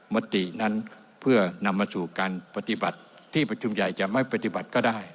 มตินั้นเพื่อนำมาสู่การปฏิบัติที่ประชุมใหญ่จะไม่ปฏิบัติก็ได้